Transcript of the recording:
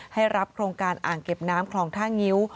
ให้รับโครงการอ่างเก็บน้ำคลองท่างิ้ว